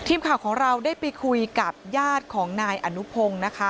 ทีมข่าวของเราได้ไปคุยกับญาติของนายอนุพงศ์นะคะ